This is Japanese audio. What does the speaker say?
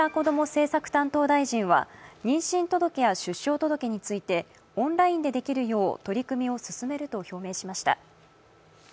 政策担当大臣は妊娠届や出生届についてオンラインでできるよう取り組みを進めると表明しました。